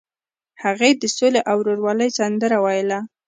هغه د سولې او ورورولۍ سندره ویله.